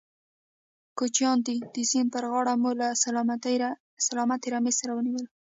کوچيان دي، د سيند پر غاړه مو له سلامتې رمې سره ونيول.